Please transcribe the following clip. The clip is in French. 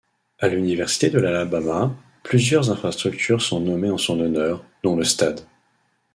À l'université de l'Alabama, plusieurs infrastructures sont nommées en son honneur, dont le stade.